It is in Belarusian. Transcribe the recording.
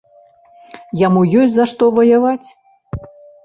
Яму ёсць за што ваяваць.